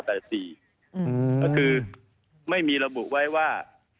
ก็คือไม่มีระบุไว้ว่า